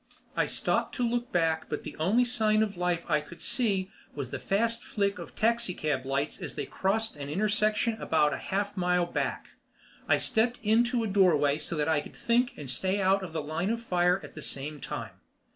I stopped to look back but the only sign of life I could see was the fast flick of taxicab lights as they crossed an intersection about a half mile back. I stepped into a doorway so that I could think and stay out of the line of fire at the same time.